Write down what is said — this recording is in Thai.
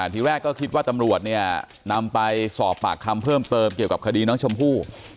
ทีแรกก็คิดว่าตำรวจเนี่ยนำไปสอบปากคำเพิ่มเติมเกี่ยวกับคดีน้องชมพู่